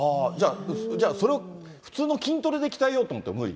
じゃあ、それを普通の筋トレで鍛えようと思っても無理？